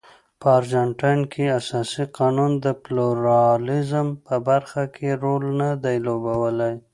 په ارجنټاین کې اساسي قانون د پلورالېزم په برخه کې رول نه دی لوبولی.